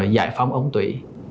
giải phóng ống tủy